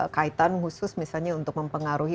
kaitan khusus misalnya untuk mempengaruhi